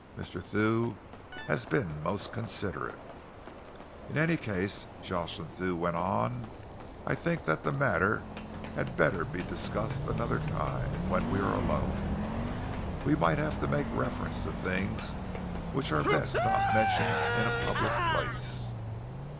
Mr. Thew has been most considerate." "In any case," Jocelyn Thew went on, "I think that the matter had better be discussed another time, when we are alone. We might have to make reference to things which are best not mentioned in a public place."